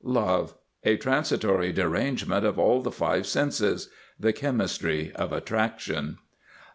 LOVE. A transitory derangement of all the five senses. The chemistry of attraction.